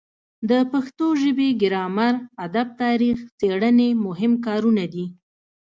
د پښتو ژبې ګرامر ادب تاریخ څیړنې مهم کارونه دي.